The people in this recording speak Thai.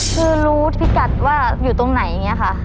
คือรู้พิกัดว่าอยู่ตรงไหนอย่างนี้ค่ะ